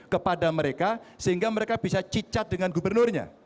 kepada mereka sehingga mereka bisa cicat dengan gubernurnya